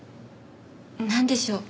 なんでしょう？